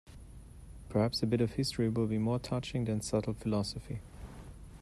Perhaps a bit of history will be more touching than subtle philosophy.